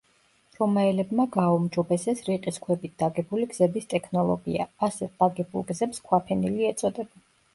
რომაელებმა გააუმჯობესეს რიყის ქვებით დაგებული გზების ტექნოლოგია; ასეთ დაგებულ გზებს ქვაფენილი ეწოდება.